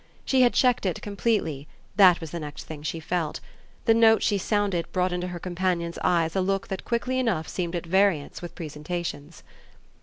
She had checked it completely that was the next thing she felt: the note she sounded brought into her companion's eyes a look that quickly enough seemed at variance with presentations.